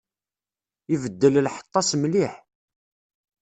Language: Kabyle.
Ibeddel lḥeṭṭa-s mliḥ.